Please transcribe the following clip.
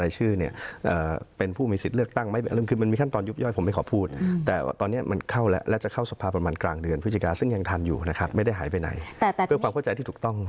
มันมีการตั้งกรรมธิการก่อนรับหลักการอันนี้มันผิดแผงนิดนึง